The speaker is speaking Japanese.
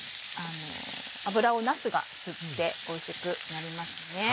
脂をなすが吸っておいしくなりますね。